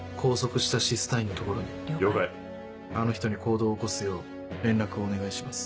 あの人に行動を起こすよう連絡をお願いします。